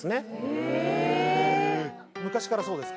へえ昔からそうですか？